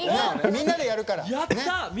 みんなでやるから。